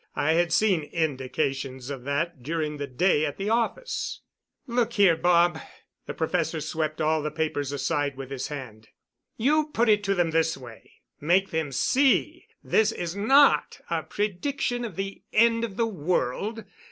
I had seen indications of that during the day at the office. "Look here, Bob" the professor swept all the papers aside with his hand. "You put it to them this way. Make them see this is not a prediction of the end of the world.